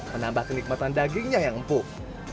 menambah kenikmatan dagingnya yang empuk